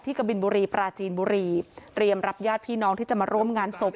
กะบินบุรีปราจีนบุรีเตรียมรับญาติพี่น้องที่จะมาร่วมงานศพ